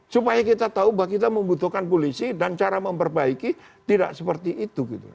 supaya kita tahu bahwa kita membutuhkan polisi dan cara memperbaiki tidak seperti itu